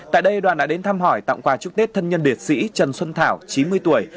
tại đây đoàn đã đến thăm hỏi tặng quà chúc tết thân nhân liệt sĩ trần xuân thảo chín mươi tuổi